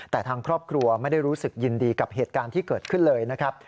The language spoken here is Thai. แต่ทางครอบครัวไม่ได้รู้สึกยินดีกับเหตุการณ์ที่เกิดขึ้นเลยนะครับ